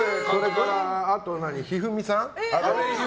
あと、一二三さん。